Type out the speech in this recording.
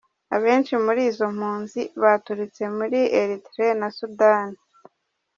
Abenshi muri izo mpunzi baturutse muri Érythrée na Sudani.